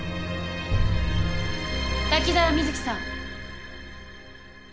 滝沢美月さん。